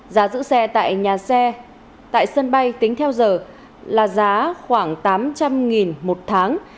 giá giữ xe tại nhà xe tại sân bay tính theo giờ là giá khoảng tám trăm linh đồng một tháng